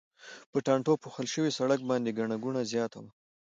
په ټانټو پوښل شوي سړک باندې ګڼه ګوڼه زیاته وه.